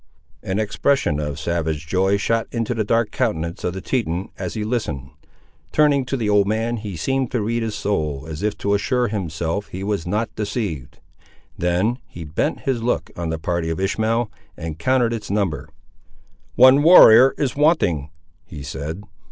An expression of savage joy shot into the dark countenance of the Teton as he listened; turning to the old man he seemed to read his soul, as if to assure himself he was not deceived. Then he bent his look on the party of Ishmael, and counted its number. "One warrior is wanting," he said.